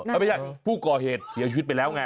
ไม่ใช่ผู้ก่อเหตุเสียชีวิตไปแล้วไง